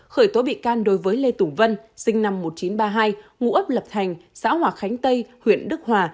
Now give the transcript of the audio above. khởi tố bị can đối với lê tùng vân sinh năm một nghìn chín trăm ba mươi hai ngụ ấp lập thành xã hòa khánh tây huyện đức hòa